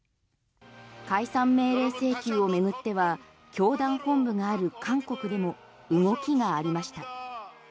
解散命令請求を巡っては教団本部がある韓国でも動きがありました。